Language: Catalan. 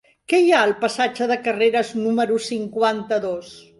Què hi ha al passatge de Carreras número cinquanta-dos?